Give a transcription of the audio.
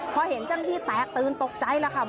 พอเห็นเจ้าหน้าที่แตกตื่นตกใจแล้วค่ะ